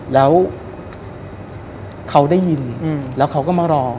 แล้วเขาได้ยินแล้วเขาก็มารอ